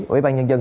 ủy ban nhân dân